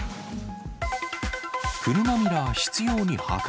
車ミラー執ように破壊。